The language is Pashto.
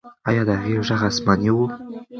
آیا د هغې ږغ آسماني و؟